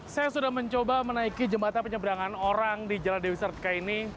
saya sudah mencoba menaiki jembatan penyeberangan orang di jalan dewi sartika ini